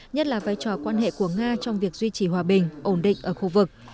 nhất là vai trò quan hệ của nga trong việc duy trì hòa bình ổn định ở khu vực